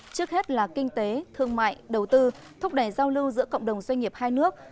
trước hết là kinh tế thương mại đầu tư thúc đẩy giao lưu giữa cộng đồng doanh nghiệp hai nước